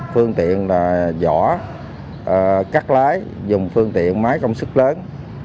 phương tiện vỏ cắt lái dùng phương tiện máy công sức lớn